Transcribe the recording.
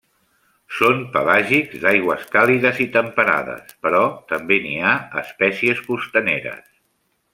Són pelàgics d'aigües càlides i temperades però també n'hi ha espècies costaneres.